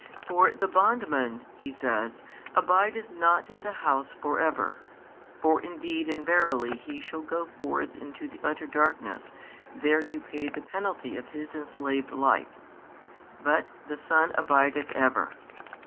For the bondman, He says, abideth not in the house for ever (for indeed and verily he shall go forth into the utter darkness there to pay the penalty of his enslaved life) but the Son abideth ever.